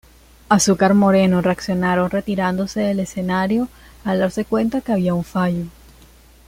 Azúcar Moreno reaccionaron retirándose del escenario al darse cuenta de que había un fallo.